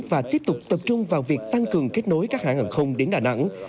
và tiếp tục tập trung vào việc tăng cường kết nối các hãng hàng không đến đà nẵng